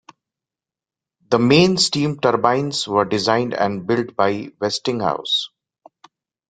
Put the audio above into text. The main steam turbines were designed and built by Westinghouse.